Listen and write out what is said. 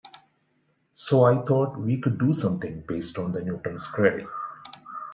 So I thought we could do something based on the Newton's cradle.